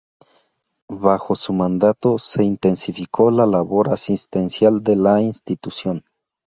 Bajo su mandato se intensificó la labor asistencial de la institución.